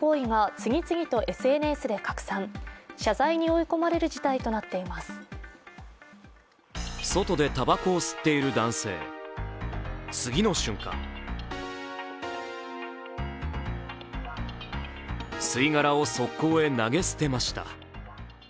次の瞬間吸い殻を側溝へ投げ捨てました。